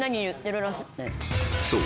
そう！